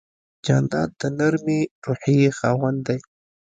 جانداد د نرمې روحیې خاوند دی.